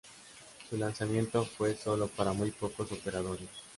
Su lanzamiento fue solo para muy pocos operadores.